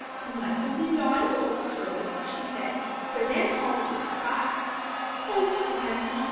"You mustn't be naughty, old stove," she said, "for then Polly will cry." "Oh, Phronsie!"